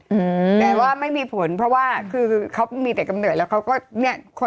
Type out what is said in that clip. อืมแต่ว่าไม่มีผลเพราะว่าคือเขามีแต่กำเนิดแล้วเขาก็เนี้ย